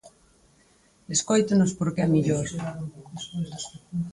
Escóitenos, porque é mellor.